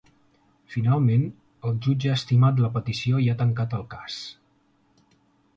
Finalment, el jutge ha estimat la petició i ha tancat el cas.